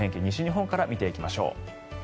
西日本から見ていきましょう。